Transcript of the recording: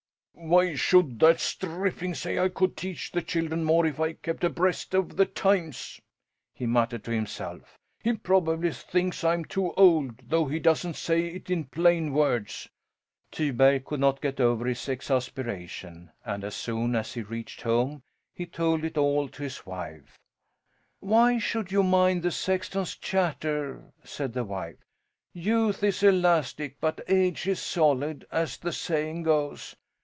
"Why should that strippling say I could teach the children more if I kept abreast of the times?" he muttered to himself. "He probably thinks I'm too old, though he doesn't say it in plain words." Tyberg could not get over his exasperation, and as soon as he reached home he told it all to his wife. "Why should you mind the sexton's chatter?" said the wife. "'Youth is elastic, but age is solid,' as the saying goes.